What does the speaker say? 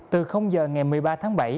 từ giờ ngày một mươi ba tháng bảy